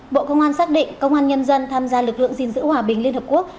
bộ công an xác định công an nhân dân tham gia lực lượng gìn giữ hòa bình liên hợp quốc